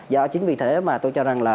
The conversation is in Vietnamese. và chính vì thế mà tôi cho rằng là